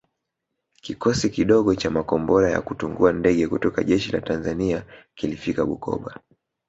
Kikosi kidogo cha makombora ya kutungua ndege kutoka jeshi la Tanzania kilifika Bukoba